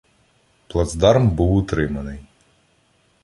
Плацдарм був утриманий.